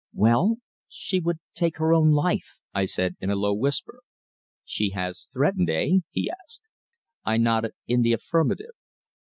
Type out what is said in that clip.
"Well she would take her own life," I said in a low whisper. "She has threatened eh?" he asked. I nodded in the affirmative.